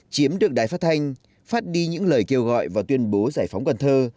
chiếm được đài phát thanh phát đi những lời kêu gọi và tuyên bố giải phóng cần thơ